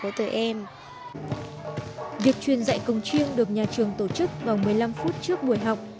việc truyền dạy công chiêng được nhà trường tổ chức vào một mươi năm phút trước buổi học